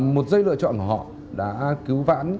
một dây lựa chọn của họ đã cứu vãn